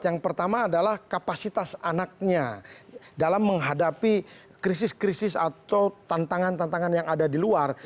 yang pertama adalah kapasitas anaknya dalam menghadapi krisis krisis atau tantangan tantangan yang ada di luar